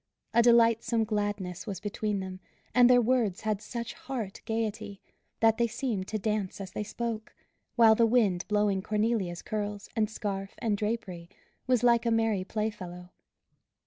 A delightsome gladness was between them, and their words had such heart gaiety, that they seemed to dance as they spoke; while the wind blowing Cornelia's curls, and scarf, and drapery, was like a merry playfellow.